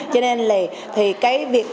cho nên là